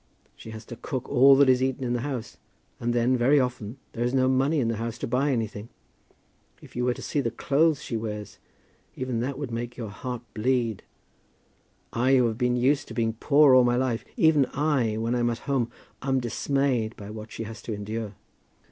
She has to cook all that is eaten in the house, and then, very often, there is no money in the house to buy anything. If you were to see the clothes she wears, even that would make your heart bleed. I who have been used to being poor all my life, even I, when I am at home, am dismayed by what she has to endure."